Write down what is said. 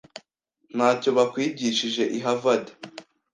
Ntacyo bakwigishije i Harvard?